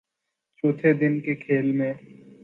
چوتھے دن کے کھیل میں